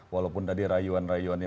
walaupun tadi rayuan rayuan